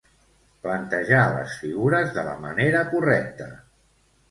plantejar les figures de la manera correcta